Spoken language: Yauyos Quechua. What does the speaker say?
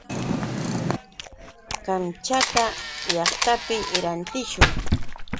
Kamchata llaqtapi rantishun.